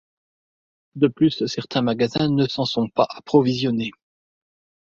De plus, certains magasins ne s'en sont pas approvisionnés.